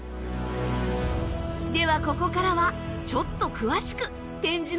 ではここからはちょっと詳しく展示の見方をご紹介。